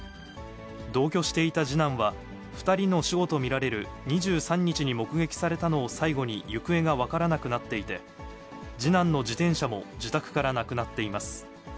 同居していた次男は、２人の死後と見られる２３日に目撃されたのを最後に行方が分からなくなっていて、次男の自転車も自宅からなくなっています。